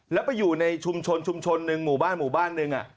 แล้วไปอยู่ในชุมชนหนึ่งหมู่บ้านหนึ่ง